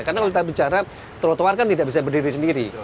karena kalau kita bicara trotoar kan tidak bisa berdiri sendiri